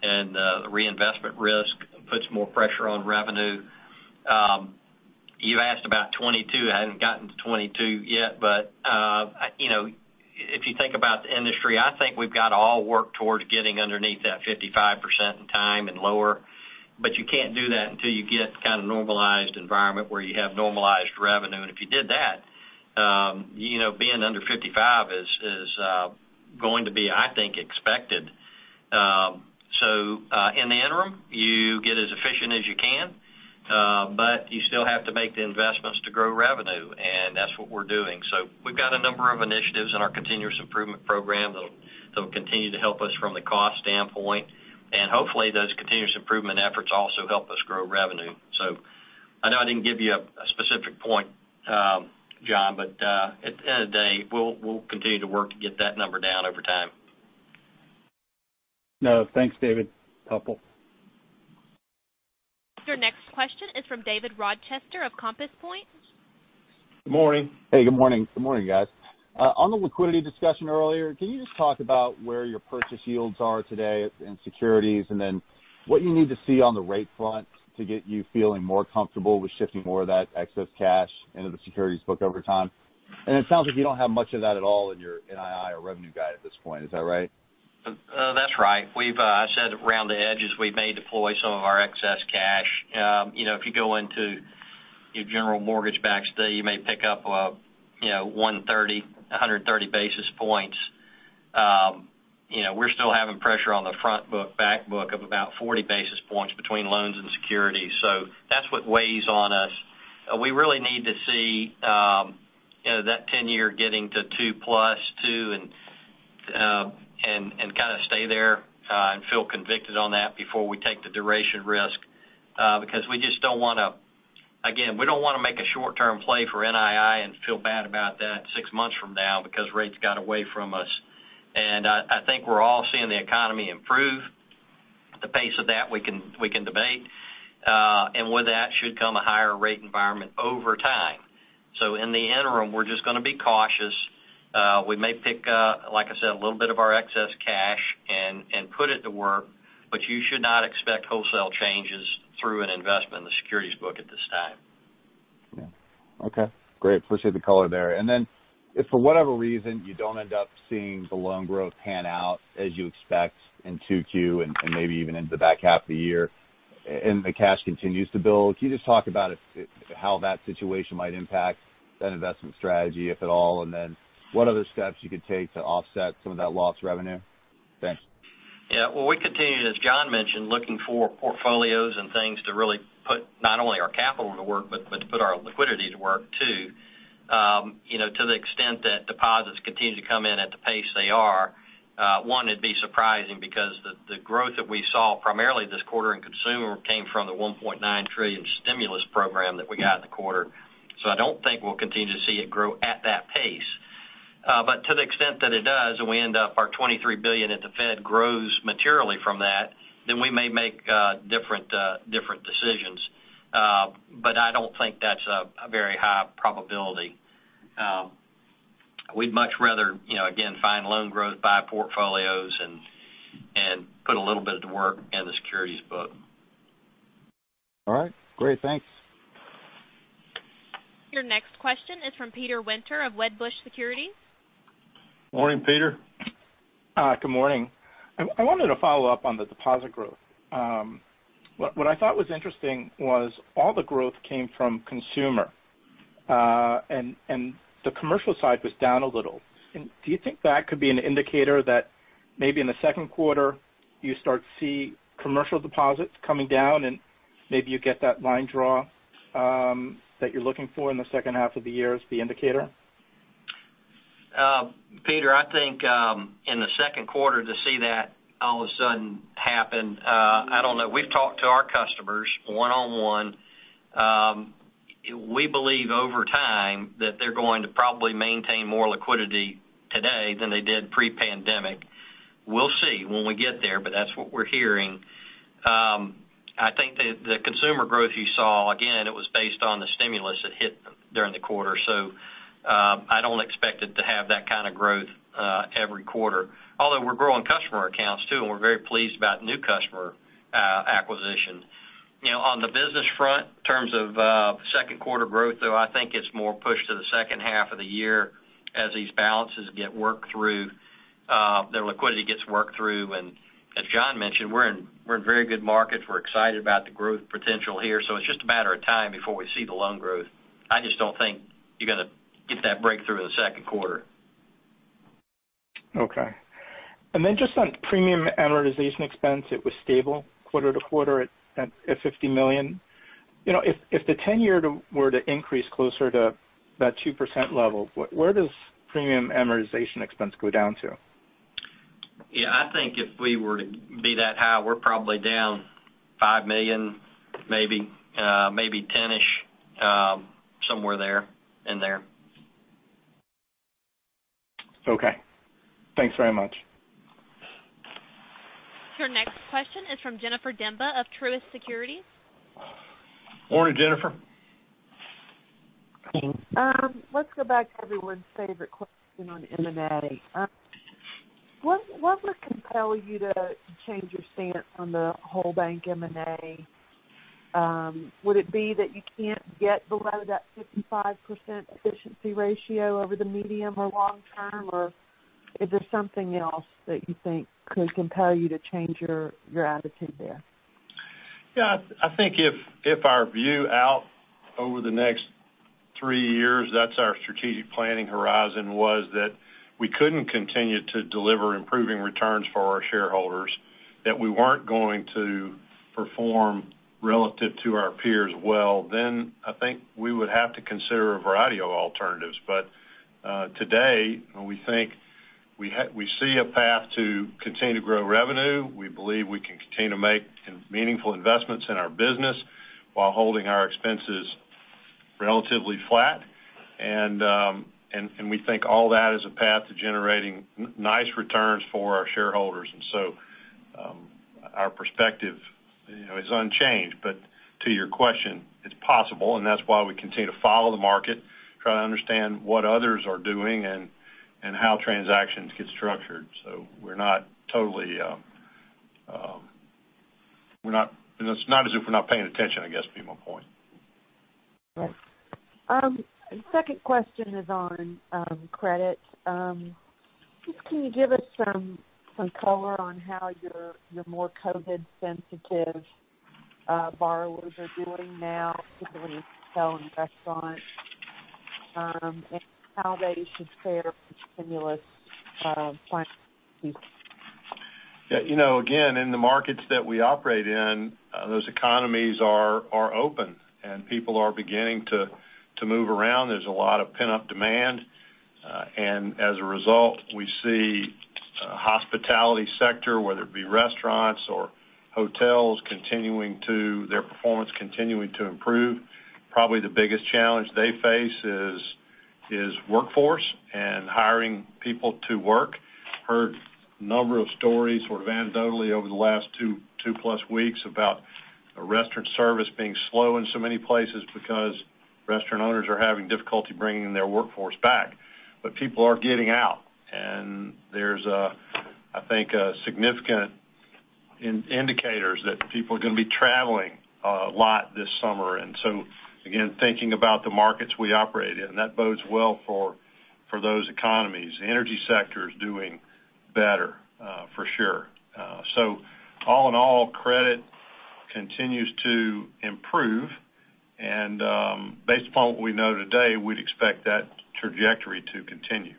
and the reinvestment risk puts more pressure on revenue. You asked about 2022. I haven't gotten to 2022 yet, but if you think about the industry, I think we've got to all work towards getting underneath that 55% in time and lower. You can't do that until you get kind of normalized environment where you have normalized revenue. If you did that, being under 55 is going to be, I think, expected. In the interim, you get as efficient as you can. You still have to make the investments to grow revenue, and that's what we're doing. We've got a number of initiatives in our continuous improvement program that'll continue to help us from the cost standpoint. Hopefully, those continuous improvement efforts also help us grow revenue. I know I didn't give you a specific point, John, but at the end of the day, we'll continue to work to get that number down over time. No, thanks, David. Helpful. Your next question is from David Rochester of Compass Point. Good morning. Hey, good morning. Good morning, guys. On the liquidity discussion earlier, can you just talk about where your purchase yields are today in securities, and then what you need to see on the rate front to get you feeling more comfortable with shifting more of that excess cash into the securities book over time? It sounds like you don't have much of that at all in your NII or revenue guide at this point, is that right? That's right. I said around the edges, we may deploy some of our excess cash. If you go into your general mortgage-backed security, you may pick up 130 basis points. We're still having pressure on the front book, back book of about 40 basis points between loans and securities. That's what weighs on us. We really need to see that 10 year getting to two plus two and kind of stay there, and feel convicted on that before we take the duration risk. Again, we don't want to make a short-term play for NII because rates got away from us. I think we're all seeing the economy improve. The pace of that, we can debate. With that should come a higher rate environment over time. In the interim, we're just going to be cautious. We may pick up, like I said, a little bit of our excess cash and put it to work, but you should not expect wholesale changes through an investment in the securities book at this time. Yeah. Okay, great. Appreciate the color there. If for whatever reason you don't end up seeing the loan growth pan out as you expect in 2Q and maybe even into the back half of the year, and the cash continues to build, can you just talk about how that situation might impact that investment strategy, if at all? What other steps you could take to offset some of that lost revenue? Thanks. Yeah. Well, we continue, as John mentioned, looking for portfolios and things to really put not only our capital to work, but to put our liquidity to work too. To the extent that deposits continue to come in at the pace they are, one, it'd be surprising because the growth that we saw primarily this quarter in consumer came from the $1.9 trillion stimulus program that we got in the quarter. I don't think we'll continue to see it grow at that pace. To the extent that it does, and we end up our $23 billion at the Fed grows materially from that, then we may make different decisions. I don't think that's a very high probability. We'd much rather, again, find loan growth, buy portfolios and put a little bit to work in the securities book. All right, great. Thanks. Your next question is from Peter Winter of Wedbush Securities. Morning, Peter. Good morning. I wanted to follow up on the deposit growth. What I thought was interesting was all the growth came from consumer, and the commercial side was down a little. Do you think that could be an indicator that maybe in the second quarter you start to see commercial deposits coming down, and maybe you get that line draw that you're looking for in the second half of the year as the indicator? Peter, I think, in the second quarter to see that all of a sudden happen, I don't know. We've talked to our customers one on one. We believe over time that they're going to probably maintain more liquidity today than they did pre-pandemic. We'll see when we get there, that's what we're hearing. I think the consumer growth you saw, again, it was based on the stimulus that hit during the quarter. I don't expect it to have that kind of growth every quarter. Although we're growing customer accounts too, and we're very pleased about new customer acquisition. On the business front, in terms of second quarter growth, though, I think it's more pushed to the second half of the year as these balances get worked through, their liquidity gets worked through. As John mentioned, we're in very good markets. We're excited about the growth potential here. It's just a matter of time before we see the loan growth. I just don't think you're going to get that breakthrough in the second quarter. Okay. Just on premium amortization expense, it was stable quarter-to-quarter at $50 million. If the 10-year were to increase closer to that 2% level, where does premium amortization expense go down to? Yeah, I think if we were to be that high, we're probably down $5 million, maybe $10-ish, somewhere there, in there. Okay. Thanks very much. Your next question is from Jennifer Demba of Truist Securities. Morning, Jennifer. Let's go back to everyone's favorite question on M&A. What would compel you to change your stance on the whole bank M&A? Would it be that you can't get below that 55% efficiency ratio over the medium or long term? Is there something else that you think could compel you to change your attitude there? I think if our view out over the next three years, that's our strategic planning horizon, was that we couldn't continue to deliver improving returns for our shareholders, that we weren't going to perform relative to our peers well, then I think we would have to consider a variety of alternatives. Today, we see a path to continue to grow revenue. We believe we can continue to make meaningful investments in our business while holding our expenses relatively flat. We think all that is a path to generating nice returns for our shareholders. Our perspective is unchanged. To your question, it's possible, and that's why we continue to follow the market, try to understand what others are doing, and how transactions get structured. It's not as if we're not paying attention, I guess would be my point. Right. Second question is on credit. Just can you give us some color on how your more COVID-sensitive borrowers are doing now, particularly hotel and restaurants, and how they should fare from stimulus plan? Yeah. Again, in the markets that we operate in, those economies are open, and people are beginning to move around. There's a lot of pent-up demand. As a result, we see Hospitality sector, whether it be restaurants or hotels, their performance continuing to improve. Probably the biggest challenge they face is workforce and hiring people to work. Heard a number of stories sort of anecdotally over the last two plus weeks about restaurant service being slow in so many places because restaurant owners are having difficulty bringing their workforce back. People are getting out, and there's, I think, significant indicators that people are going to be traveling a lot this summer. Again, thinking about the markets we operate in, that bodes well for those economies. The energy sector is doing better for sure. All in all, credit continues to improve, and based upon what we know today, we'd expect that trajectory to continue.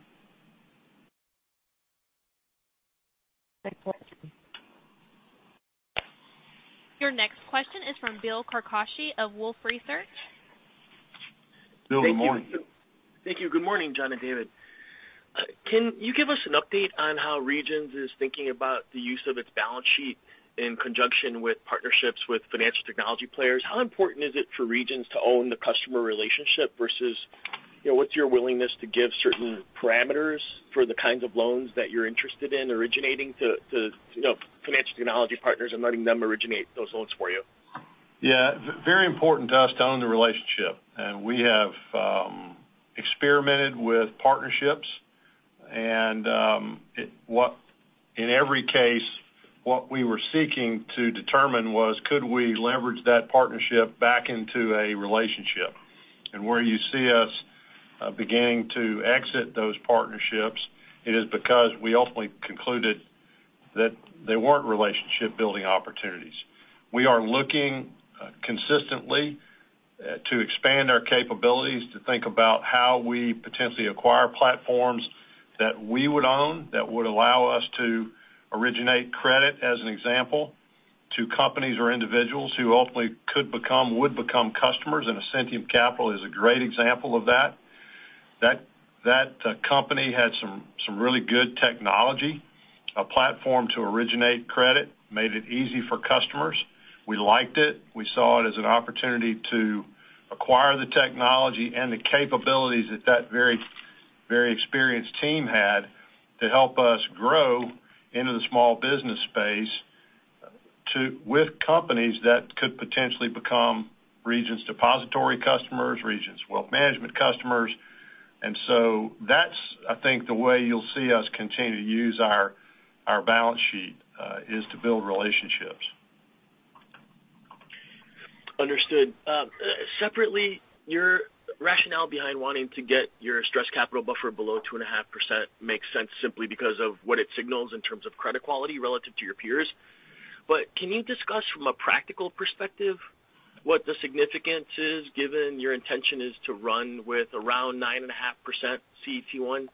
Next question. Your next question is from Bill Carcache of Wolfe Research. Bill, good morning. Thank you. Good morning, John and David. Can you give us an update on how Regions is thinking about the use of its balance sheet in conjunction with partnerships with financial technology players? How important is it for Regions to own the customer relationship versus, what's your willingness to give certain parameters for the kinds of loans that you're interested in originating to financial technology partners and letting them originate those loans for you? Yeah. Very important to us to own the relationship. We have experimented with partnerships. In every case, what we were seeking to determine was, could we leverage that partnership back into a relationship? Where you see us beginning to exit those partnerships, it is because we ultimately concluded that they weren't relationship-building opportunities. We are looking consistently to expand our capabilities to think about how we potentially acquire platforms that we would own, that would allow us to originate credit, as an example, to companies or individuals who ultimately could become, would become customers. Ascentium Capital is a great example of that. That company had some really good technology, a platform to originate credit, made it easy for customers. We liked it. We saw it as an opportunity to acquire the technology and the capabilities that that very experienced team had to help us grow into the small business space with companies that could potentially become Regions depository customers, Regions wealth management customers. That's, I think, the way you'll see us continue to use our balance sheet, is to build relationships. Understood. Separately, your rationale behind wanting to get your stress capital buffer below 2.5% makes sense simply because of what it signals in terms of credit quality relative to your peers. Can you discuss from a practical perspective what the significance is given your intention is to run with around 9.5% CET1?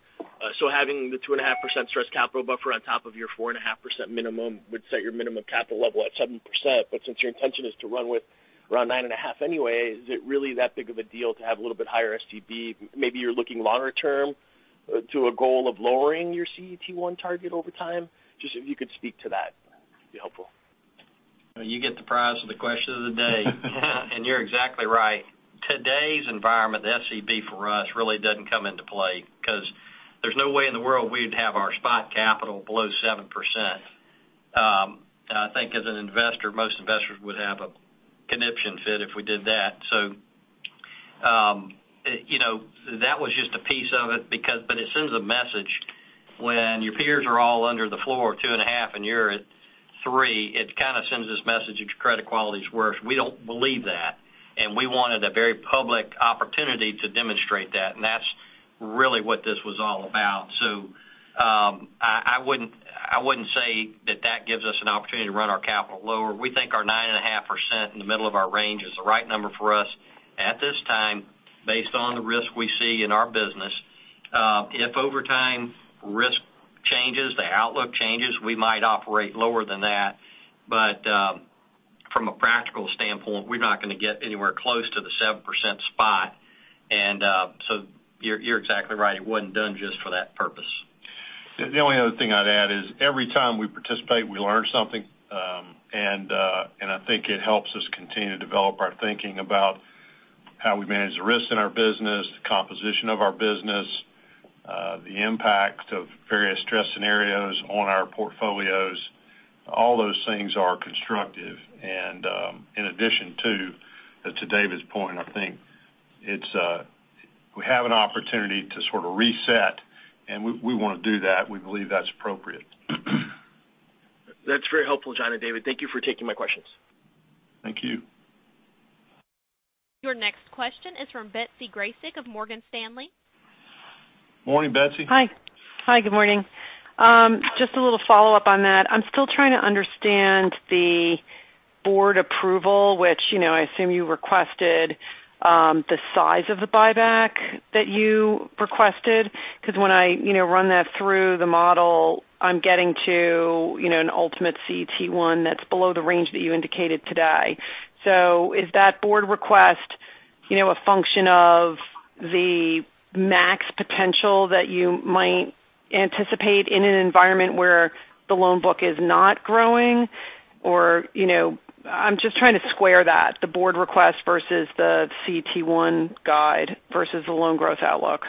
Having the 2.5% stress capital buffer on top of your 4.5% minimum would set your minimum capital level at 7%. Since your intention is to run with around 9.5 anyway, is it really that big of a deal to have a little bit higher SCB? Maybe you're looking longer term to a goal of lowering your CET1 target over time. Just if you could speak to that, it'd be helpful. You get the prize for the question of the day. You're exactly right. Today's environment, the SCB for us really doesn't come into play because there's no way in the world we'd have our spot capital below 7%. I think as an investor, most investors would have a conniption fit if we did that. It sends a message when your peers are all under the floor at two and a half and you're at three, it kind of sends this message that your credit quality is worse. We don't believe that, and we wanted a very public opportunity to demonstrate that, and that's really what this was all about. I wouldn't say that that gives us an opportunity to run our capital lower. We think our 9.5% in the middle of our range is the right number for us at this time based on the risk we see in our business. If over time risk changes, the outlook changes, we might operate lower than that. From a practical standpoint, we're not going to get anywhere close to the 7% spot. You're exactly right. It wasn't done just for that purpose. The only other thing I'd add is every time we participate, we learn something. I think it helps us continue to develop our thinking about how we manage the risks in our business, the composition of our business, the impact of various stress scenarios on our portfolios. All those things are constructive. In addition to David's point, I think we have an opportunity to sort of reset, and we want to do that. We believe that's appropriate. That's very helpful, John and David. Thank you for taking my questions. Thank you. Your next question is from Betsy Graseck of Morgan Stanley. Morning, Betsy. Hi. Good morning. Just a little follow-up on that. I'm still trying to understand the board approval, which I assume you requested the size of the buyback that you requested. Because when I run that through the model, I'm getting to an ultimate CET1 that's below the range that you indicated today. Is that board request a function of the max potential that you might anticipate in an environment where the loan book is not growing, or I'm just trying to square that, the board request versus the CET1 guide versus the loan growth outlook.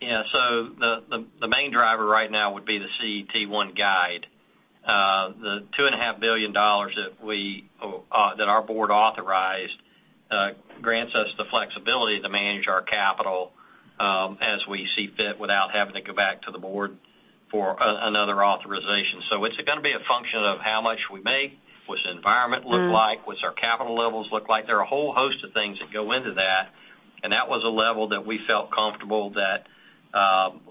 Yeah. The main driver right now would be the CET1 guide. The $2.5 billion that our board authorized grants us the flexibility to manage our capital as we see fit without having to go back to the board for another authorization. It's going to be a function of how much we make, what's the environment look like, what's our capital levels look like? There are a whole host of things that go into that, and that was a level that we felt comfortable that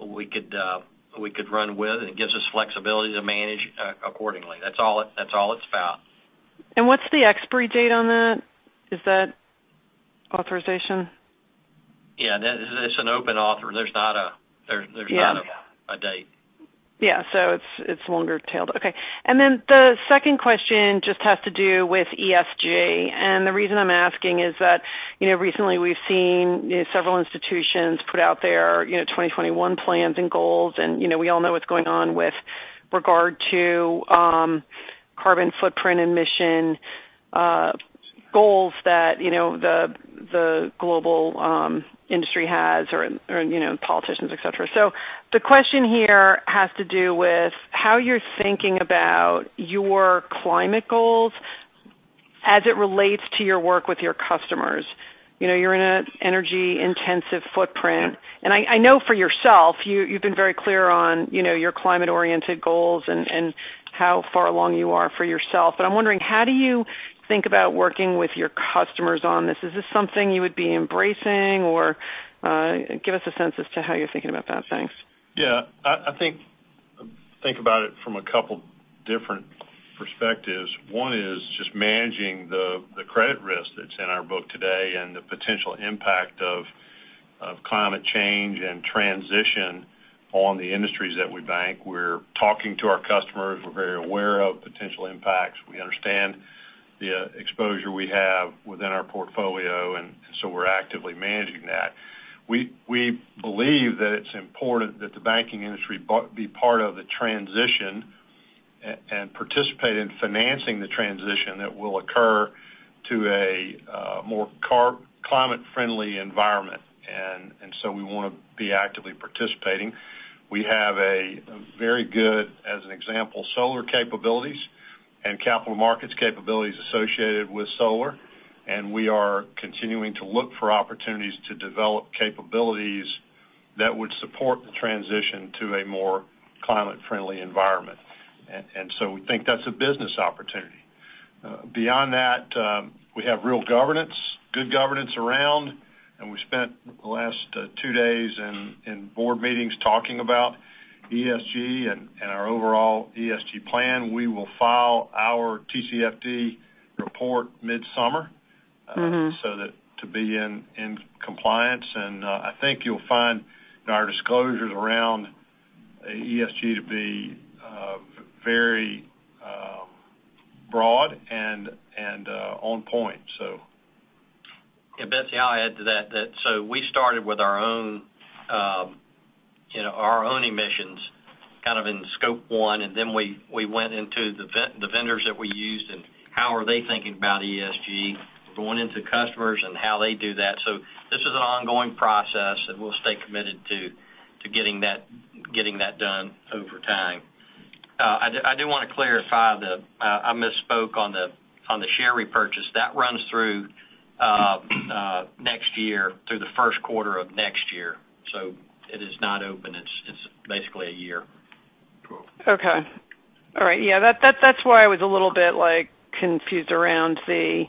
we could run with, and it gives us flexibility to manage accordingly. That's all it's about. What's the expiry date on that? Is that authorization? it's an open authorization. There's not. Yeah there's not a date. Yeah. It's longer tailed. Okay. The second question just has to do with ESG. The reason I'm asking is that, recently we've seen several institutions put out their 2021 plans and goals and, we all know what's going on with regard to carbon footprint emission goals that the global industry has or politicians, et cetera. The question here has to do with how you're thinking about your climate goals as it relates to your work with your customers. You're in an energy intensive footprint, and I know for yourself, you've been very clear on your climate oriented goals and how far along you are for yourself. I'm wondering, how do you think about working with your customers on this? Is this something you would be embracing or give us a sense as to how you're thinking about that. Thanks. Yeah. I think about it from a couple different perspectives. One is just managing the credit risk that's in our book today and the potential impact of climate change and transition on the industries that we bank. We're talking to our customers. We're very aware of potential impacts. We understand the exposure we have within our portfolio, and so we're actively managing that. We believe that it's important that the banking industry be part of the transition and participate in financing the transition that will occur to a more climate friendly environment, and so we want to be actively participating. We have a very good, as an example, solar capabilities and capital markets capabilities associated with solar, and we are continuing to look for opportunities to develop capabilities that would support the transition to a more climate friendly environment. We think that's a business opportunity. Beyond that, we have real governance, good governance around. We spent the last two days in board meetings talking about ESG and our overall ESG plan. We will file our TCFD report mid-summer. so that to be in compliance. I think you'll find our disclosures around ESG to be very broad and on point. Yeah, Betsy, I'll add to that. We started with our own emissions kind of in the scope one, and then we went into the vendors that we used and how are they thinking about ESG going into customers and how they do that. This is an ongoing process that we'll stay committed to getting that done over time. I do want to clarify that I misspoke on the share repurchase. That runs through next year, through the first quarter of next year. It is not open. It's basically a year. Cool. Okay. All right. Yeah, that's why I was a little bit confused around the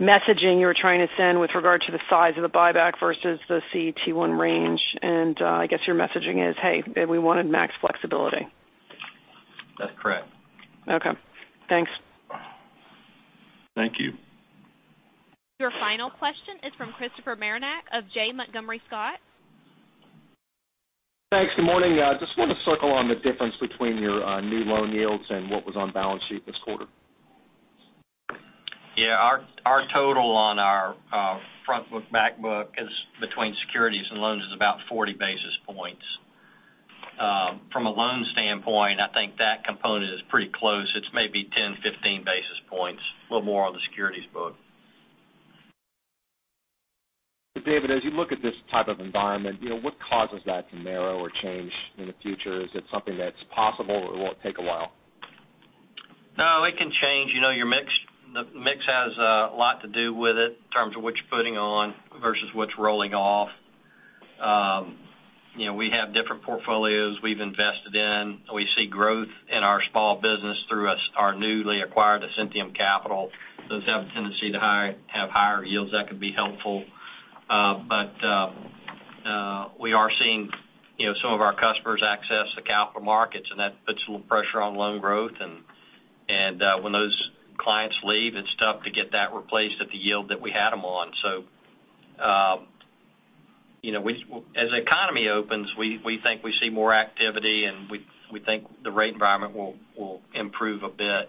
messaging you were trying to send with regard to the size of the buyback versus the CET1 range. I guess your messaging is, hey, we wanted max flexibility. That's correct. Okay, thanks. Thank you. Your final question is from Christopher Marinac of Janney Montgomery Scott. Thanks. Good morning. Just want to circle on the difference between your new loan yields and what was on balance sheet this quarter. Yeah. Our total on our front book, back book is between securities and loans is about 40 basis points. From a loan standpoint, I think that component is pretty close. It's maybe 10, 15 basis points, a little more on the securities book. David, as you look at this type of environment, what causes that to narrow or change in the future? Is it something that's possible or will it take a while? No, it can change. Your mix has a lot to do with it in terms of what you're putting on versus what's rolling off. We have different portfolios we've invested in. We see growth in our small business through our newly acquired Ascentium Capital. Those have a tendency to have higher yields. That could be helpful. We are seeing some of our customers access the capital markets, and that puts a little pressure on loan growth. When those clients leave, it's tough to get that replaced at the yield that we had them on. As the economy opens, we think we see more activity, and we think the rate environment will improve a bit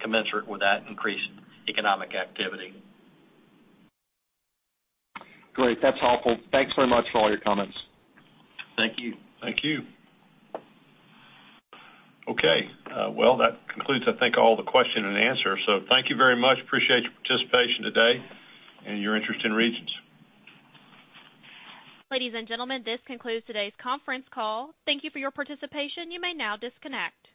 commensurate with that increased economic activity. Great. That's helpful. Thanks very much for all your comments. Thank you. Thank you. Okay. Well, that concludes, I think, all the question and answer. Thank you very much. Appreciate your participation today and your interest in Regions. Ladies and gentlemen, this concludes today's conference call. Thank you for your participation. You may now disconnect.